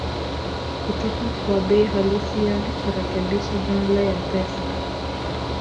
kutoka kwa bei halisi yaani kurekebisha jumla ya pesa